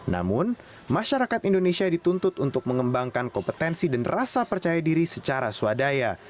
namun masyarakat indonesia dituntut untuk mengembangkan kompetensi dan rasa percaya diri secara swadaya